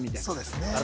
そうですね